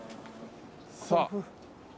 さあ。